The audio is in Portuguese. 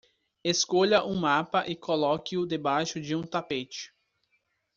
Escolha um mapa e coloque-o debaixo de um tapete.